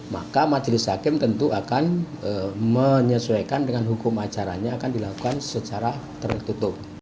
maka majelis hakim tentu akan menyesuaikan dengan hukum acaranya akan dilakukan secara tertutup